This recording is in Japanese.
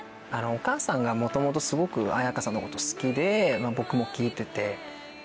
お母さんが元々すごく絢香さんのこと好きで僕も聴いてて。